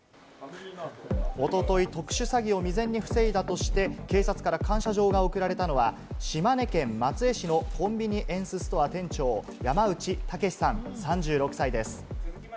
おととい、特殊詐欺を未然に防いだとして、警察から感謝状が贈られたのは、島根県松江市のコンビニエンスストア店長・山内剛さん、３６歳です。